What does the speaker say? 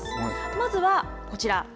まずはこちら。